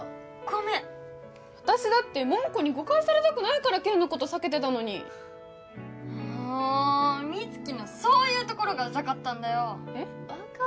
ごめん私だって桃子に誤解されたくないから健のこと避けてたのにもう美月のそういうところがウザかったんだよえっ？